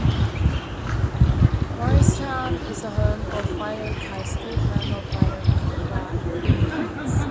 Mowrystown is the home of Whiteoak High School, home of the Whiteoak Wildcats.